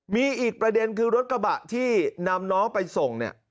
มีอีกประเด็นคือรถกระบะที่นำน้องไปส่งเนี่ย